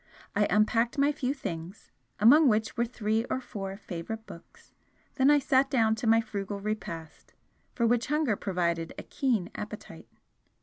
I unpacked my few things, among which were three or four favourite books, then I sat down to my frugal repast, for which hunger provided a keen appetite.